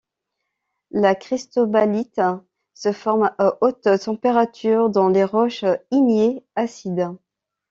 La cristobalite se forme à haute température dans les roches ignées acides.